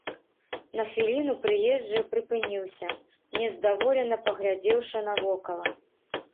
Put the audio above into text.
На хвіліну прыезджы прыпыніўся, нездаволена паглядзеўшы навокала.